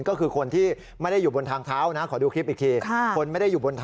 ก็คือคนที่ไม่ได้อยู่บนทางเท้านะขอดูคลิปอีกที